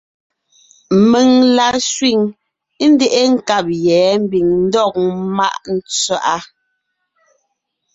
Mèŋ la sẅîŋ, ńdeʼe nkab yɛ̌ ḿbiŋ ńdɔg ḿmáʼ tswaʼá.